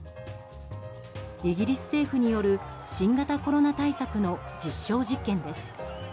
イギリス政府による新型コロナ対策の実証実験です。